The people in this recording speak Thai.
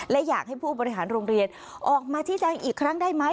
และอยากให้ผู้บริหารโรงเรียนออกมาชี้แจงอีกครั้งได้ไหม